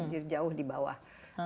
jadi jauh di bawah